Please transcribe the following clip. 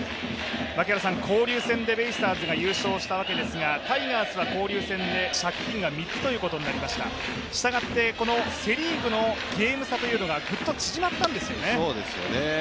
交流戦でベイスターズが優勝したわけですがタイガースは交流戦で借金が３つということになりましたしたがって、セ・リーグのゲーム差がグッと縮まったんですよね。